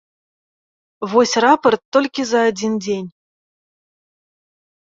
Вось рапарт толькі за адзін дзень.